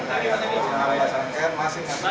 enam belas kereta ini itu selayani rute yang sama